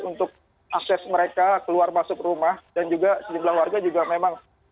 untuk akses mereka keluar masuk rumah dan juga sejumlah warga juga memang